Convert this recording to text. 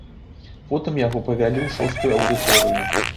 Потым яго павялі ў шостую аўдыторыю.